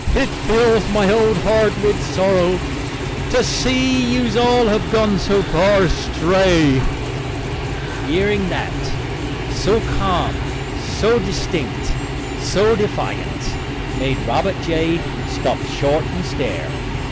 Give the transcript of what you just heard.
"It fills my old heart with sorrow to see that yous all have gone so far astray." Hearing that, so calm, so distinct, so defiant, made Robert J. stop short and stare.